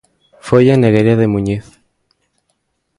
Foi en Negueira de Muñiz.